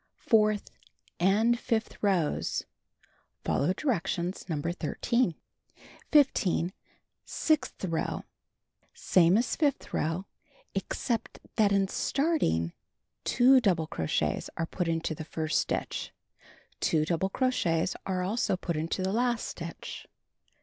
Fourth and fifth rows: follow direction No. 13. 1.5. Sixth row: Same as fifth row, except that in starting, 2 doul:)le crochets are put into the first stitch; 2 double crochets are also put into the last stitch.